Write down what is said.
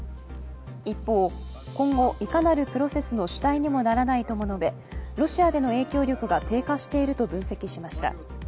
一方、今後、いかなるプロセスの主体にもならないと述べロシアでの影響力が低下していると分析しました。